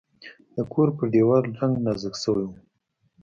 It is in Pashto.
د کور پر دیوال رنګ نازک شوی و.